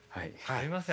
すいません。